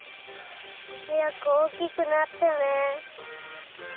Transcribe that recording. はやくおおきくなってねえ。